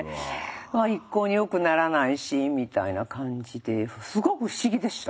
一向によくならないしみたいな感じですごく不思議でした。